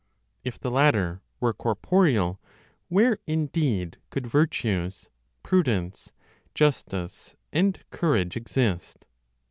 If the latter were corporeal, where indeed could virtues, prudence, justice and courage exist?